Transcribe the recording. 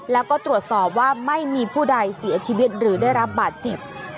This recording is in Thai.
แล้วก็ตรวจสอบว่าไม่มีผู้ใดเสียชีวิตหรือได้รับบาดเจ็บ